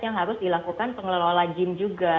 yang harus dilakukan pengelola gym juga